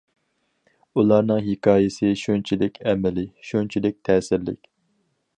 ئۇلارنىڭ ھېكايىسى شۇنچىلىك ئەمەلىي، شۇنچىلىك تەسىرلىك.